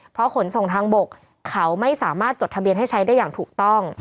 เพราะขนส่งทางบกเขาไม่สามารถจดทะเบียนให้ใช้ได้อย่างถูกต้อง